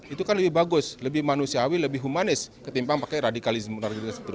itu kan lebih bagus lebih manusiawi lebih humanis ketimbang pakai radikalisme